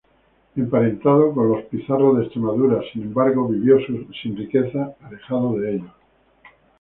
Emparentado con los Pizarro de Extremadura, sin embargo vivió sin riquezas alejado de ellos.